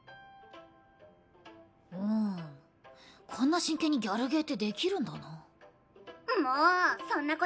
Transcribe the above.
うんこんな真剣にギャルゲーってできるんだな。